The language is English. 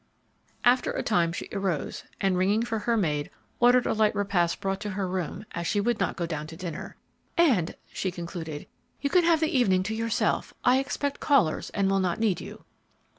After a tune she arose, and ringing for her maid, ordered a light repast brought to her room, as she would not go down to dinner; "And," she concluded, "you can have the evening to yourself: I expect callers, and will not need you."